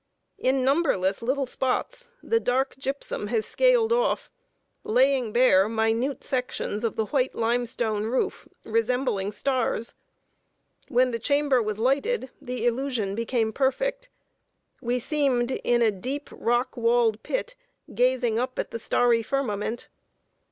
In numberless little spots, the dark gypsum has scaled off, laying bare minute sections of the white limestone roof, resembling stars. When the chamber was lighted the illusion became perfect. We seemed in a deep, rock walled pit, gazing up at the starry firmament.